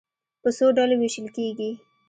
په څو ډلو وېشل کېږي.